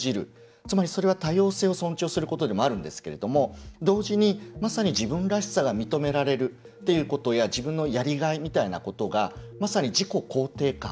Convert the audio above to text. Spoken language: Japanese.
つまり、それは多様性を尊重することでもあるんですけど同時に、まさに自分らしさが認められるっていうことや自分のやりがいみたいなことがまさに自己肯定感。